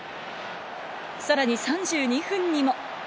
さらに３２分にも。